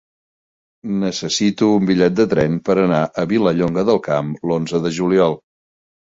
Necessito un bitllet de tren per anar a Vilallonga del Camp l'onze de juliol.